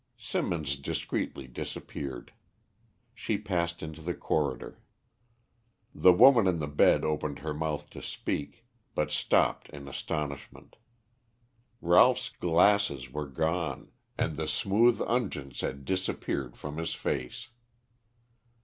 Symonds discreetly disappeared. She passed into the corridor. The woman in the bed opened her mouth to speak, but stopped in astonishment. Ralph's glasses were gone, and the smooth unguents had disappeared from his face.